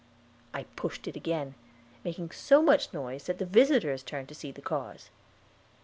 I pushed it again, making so much noise that the visitors turned to see the cause.